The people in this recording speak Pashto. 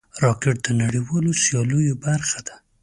راکټ د نړیوالو سیالیو برخه ده